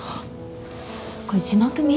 これ字幕見えるの？